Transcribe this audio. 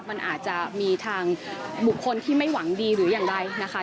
มันอาจจะมีทางบุคคลที่ไม่หวังดีหรืออย่างไรนะคะ